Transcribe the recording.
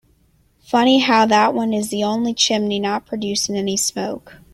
Funny how that one is the only chimney not producing any smoke.